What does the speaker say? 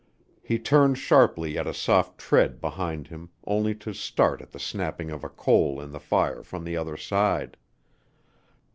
He turned sharply at a soft tread behind him only to start at the snapping of a coal in the fire from the other side.